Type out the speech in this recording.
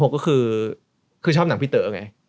ก็คือชอบหนังพี่เต๋อไง